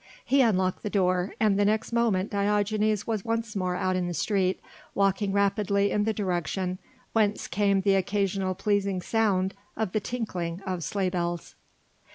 He unlocked the door, and the next moment Diogenes was once more out in the street, walking rapidly in the direction whence came the occasional pleasing sound of the tinkling of sleigh bells.